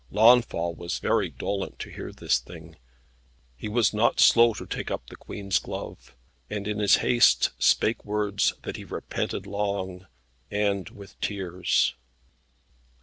Launfal was very dolent to hear this thing. He was not slow to take up the Queen's glove, and in his haste spake words that he repented long, and with tears.